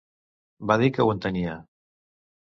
Va dir que ho entenia.